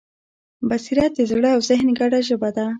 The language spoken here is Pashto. بصیرت د زړه او ذهن ګډه ژبه ده.